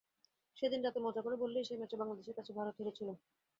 সেদিন রাতে মজা করে বললেও সেই ম্যাচে বাংলাদেশের কাছে ভারত হেরেছিল।